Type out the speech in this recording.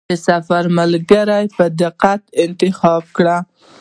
د سفر ملګری په دقت انتخاب کړه.